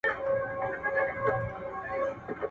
پر لمن د پسرلي به څاڅکي څاڅکي صدف اوري.